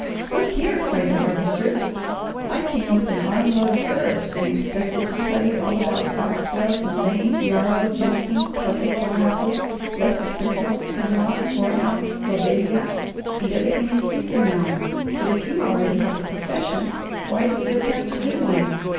"Look here!" cried the Harvester. "I came with an arm load of herbs and expected to tell you all about foxglove, mullein, yarrow, jimson, purple thorn apple, blessed thistle, hemlock, hoarhound, lobelia, and everything in season now; but if you already have a profession, why do you attempt a new one?